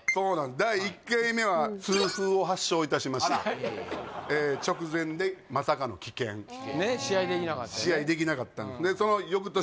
第１回目は痛風を発症いたしまして直前でまさかの棄権ねっ試合できなかったよねでその翌年